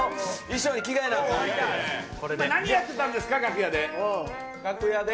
それで何やってたんですか、楽屋で。